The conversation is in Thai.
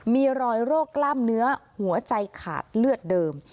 มีรอยโรคกล้ามเนื้อหัวใจขาดเลือดเดิม